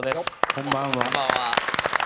こんばんは。